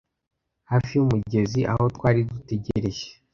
hafi yumugezi aho twari dutegereje